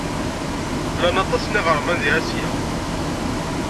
Llan aṭas n yiɣerman deg Asya.